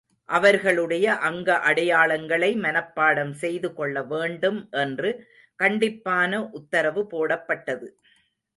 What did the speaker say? அவர்களுடைய அங்க அடையாளங்களை மனப்பாடம் செய்து கொள்ள வேண்டும் என்று கண்டிப்பான உத்தரவு போடப்பட்டது.